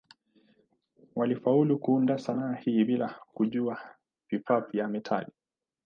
Walifaulu kuunda sanaa hii bila kujua vifaa vya metali.